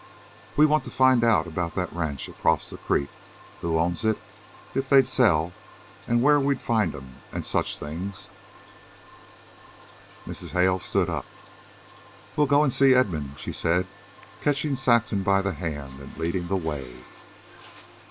"We want to find out about that ranch acrost the creek who owns it, if they'll sell, where we'll find 'em, an' such things." Mrs. Hale stood up. "We'll go and see Edmund," she said, catching Saxon by the hand and leading the way.